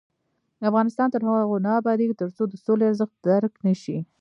افغانستان تر هغو نه ابادیږي، ترڅو د سولې ارزښت درک نشي.